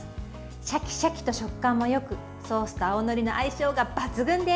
シャキシャキと食感もよくソースと青のりの相性が抜群です。